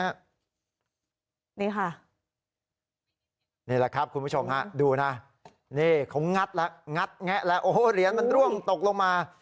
นี่ค่ะนี่แหละครับคุณผู้ชมฮะดูนะนี่เขางัดแล้วงัดแงะแล้วโอ้โหเหรียญมันร่วงตกลงมา